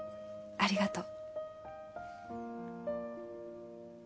ありがとう